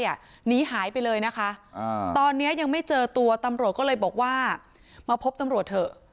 หนีหายไปเลยนะคะตอนนี้ยังไม่เจอตัวตำรวจก็เลยบอกว่ามาพบตำรวจเถอะ